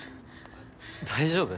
大丈夫？